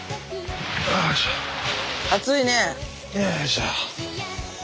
よいしょ。